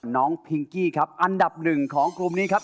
พิงกี้ครับอันดับหนึ่งของกลุ่มนี้ครับ